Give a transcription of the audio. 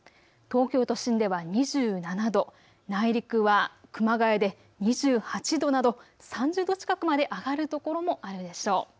東京都心では２７度、内陸は熊谷で２８度など３０度近くまで上がる所もあるでしょう。